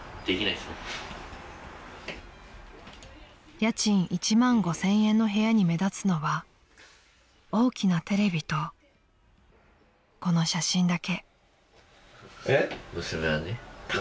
［家賃１万５，０００円の部屋に目立つのは大きなテレビとこの写真だけ］